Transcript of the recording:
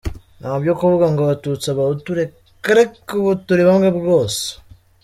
Nta byo kuvuga ngo abatutsi, abahutu reka reka ubu turi bamwe rwose.